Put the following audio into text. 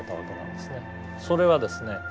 それはですね